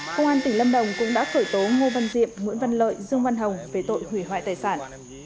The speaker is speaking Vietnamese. công an tỉnh lâm đồng cũng đã khởi tố ngô văn diệm nguyễn văn lợi dương văn hồng về tội hủy hoại tài sản